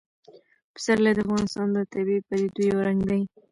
پسرلی د افغانستان د طبیعي پدیدو یو رنګ دی.